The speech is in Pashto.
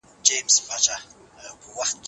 دا ګډ ژوند به په محبت او درناوي سره څنګه تېروو؟